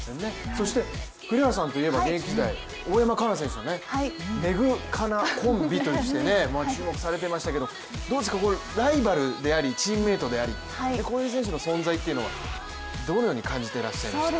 そして、栗原さんといえば現役時代、大山加奈選手とメグカナコンビとして注目されてましたけどどうですか、ライバルでありチームメートであり、こういう選手の存在というのはどのように感じてらっしゃいましたか。